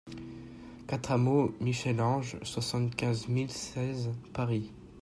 quatre hameau Michel-Ange, soixante-quinze mille seize Paris